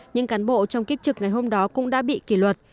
những cán bộ trong kiếp trực ngày hôm đó cũng đã bị kỷ luật